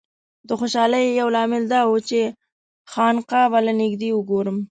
د خوشالۍ یو لامل دا و چې خانقاه به له نږدې وګورم.